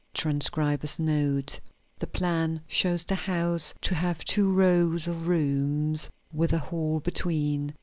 [transcriber's note: The plan shows the house to have two rows of rooms with a hall between.